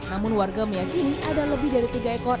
namun warga meyakini ada lebih dari tiga ekor